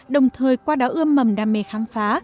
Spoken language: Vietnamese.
đồng thời qua đó ươm mầm đam mê khám phá